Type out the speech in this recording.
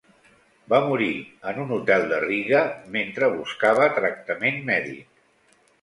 Va morir en un hotel de Riga mentre buscava tractament mèdic.